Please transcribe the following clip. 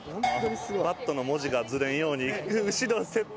バットの文字がずれんように後ろセット